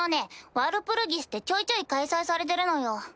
ワルプルギスってちょいちょい開催されてるのよ。